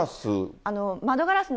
窓ガラス。